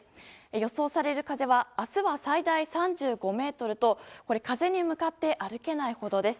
予想される風は明日は最大３５メートルと風に向かって歩けないほどです。